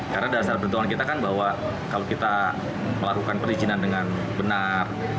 karena dari segi perhitungan kita kan bahwa kalau kita melakukan perizinan dengan benar